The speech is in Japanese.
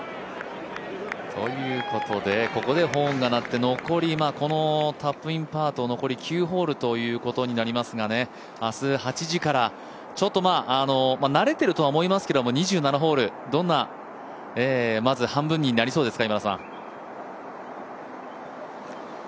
ここでホーンが鳴って残りタップインパートと９ホールということになりますけど明日８時から、慣れているとは思いますけれども２７ホール、まずどんな半分になりそうですか？